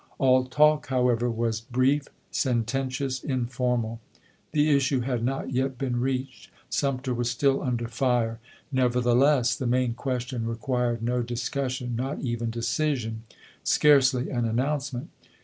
All talk, however, was brief, sententious, informal. The issue had not yet been reached. Sumter was still under fire. Nevertheless, the main question required no dis cussion, not even decision, scarcely an announce ment.